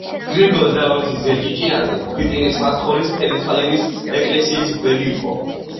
გრიგოლ დავითის ძე ჭიჭინაძე ქვიტირის მაცხოვრის ფერისცვალების ეკლესიის მღვდელი იყო